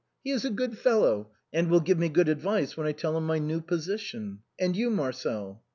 He is a good fellow, and will give me good advice when I tell him my new position. And you, Marcel